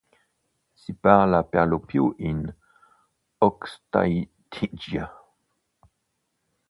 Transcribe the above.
Si parla perlopiù in Aukštaitija.